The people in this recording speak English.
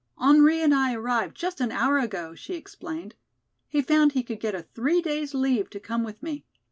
"Henri and I arrived just an hour ago," she explained. "He found he could get a three days leave to come with me.